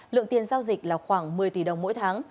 lượng tiền giao dịch là khoảng một mươi tỷ đồng mỗi tháng